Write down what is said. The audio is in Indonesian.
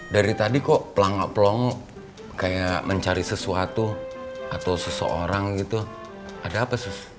dari tadi kok pelangga pelongok kayak mencari sesuatu atau seseorang gitu ada apa sus